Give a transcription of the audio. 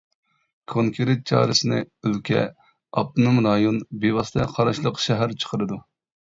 كونكرېت چارىسىنى ئۆلكە، ئاپتونوم رايون، بىۋاسىتە قاراشلىق شەھەر چىقىرىدۇ.